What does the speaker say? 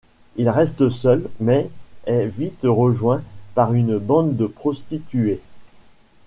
Il reste seul, mais est vite rejoint par une bande de prostituées.